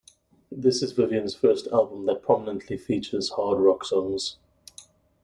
This is Vivian's first album that prominently features hard rock songs.